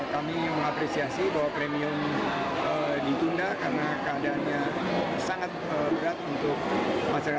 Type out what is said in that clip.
kami mengapresiasi bahwa premium ditunda karena keadaannya sangat berat untuk masyarakat